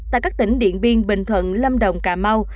tại các tỉnh điện biên bình thuận lâm đồng cà mau